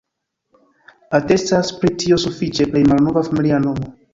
Atestas pri tio sufiĉe plej malnova familia nomo.